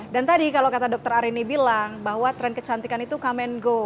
dan tadi kalau kata dr arini bilang bahwa tren kecantikan itu come and go